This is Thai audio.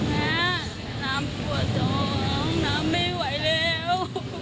แม่น้ำปวดท้องน้ำไม่ไหวแล้ว